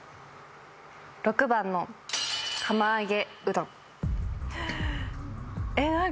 ６番の釜揚げうどん